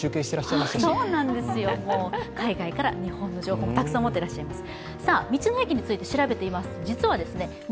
そうなんですよ、海外から日本の情報もたくさん持ってらっしゃいます。